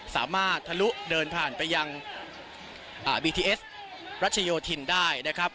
ทะลุเดินผ่านไปยังบีทีเอสรัชโยธินได้นะครับ